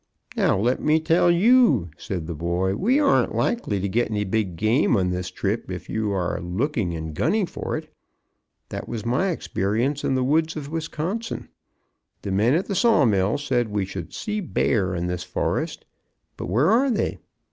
"Now let me tell you," said the boy, "we aren't likely to get any big game on this trip if we are looking and gunning for it. That was my experience in the woods of Wisconsin. The men at the saw mill said we should see bear in this forest, but where are they?